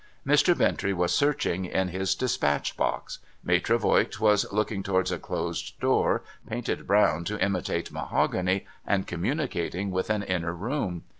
Mr. Bintrey was searching in his despatch box. Maitre Voigt was looking towards a closed door, painted brown to imitate mahogany, and communicating with an inner room.